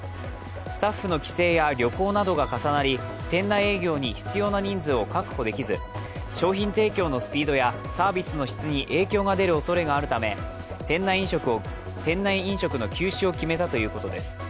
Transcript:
スタッフの帰省や旅行などが重なり、店内営業に必要な人数を確保できず、商品提供のスピードやサービスの質に影響が出るおそれがあるため店内飲食の休止を決めたということです。